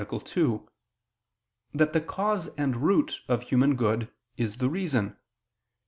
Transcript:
2) that the cause and root of human good is the reason.